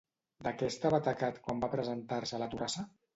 De què estava tacat quan va presentar-se a la torrassa?